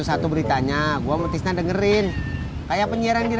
kurang tambahin dikit lagi